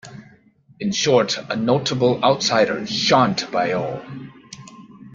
In short, a notable outsider, shunned by all.